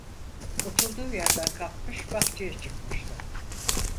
Oturduğu yerden kalkmış bahçeye çıkmıştı.